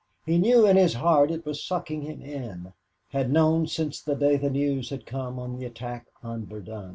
He knew in his heart it was sucking him in, had known since the day the news had come of the attack on Verdun.